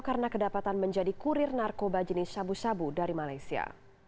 karena kedapatan menjadi kurir narkoba jenis syabu syabu dari malaysia